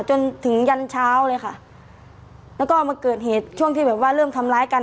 จนถึงยันเช้าเลยค่ะแล้วก็มาเกิดเหตุช่วงที่แบบว่าเริ่มทำร้ายกัน